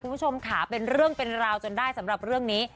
คุณผู้ชมค่ะเป็นเรื่องเป็นราวจนได้สำหรับเรื่องนี้